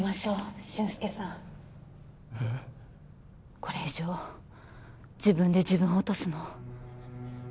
これ以上自分で自分を落とすの。